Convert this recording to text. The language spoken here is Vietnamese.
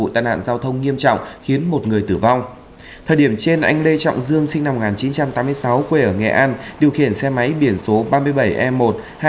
tình hình tài nạn giao thông trong tám tháng đầu năm